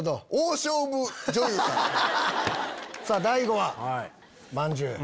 大悟はまんじゅう。